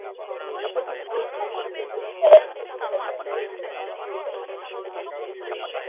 কুসুম সহানুভূতি প্রকাশ করে এবং তারা ধীরে ধীরে একে অপরের প্রতি অনুভূতি বিকাশ করে।